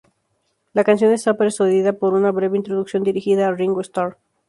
La canción está precedida por una breve introducción dirigida a Ringo Starr.